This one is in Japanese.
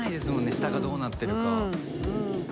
下がどうなってるか。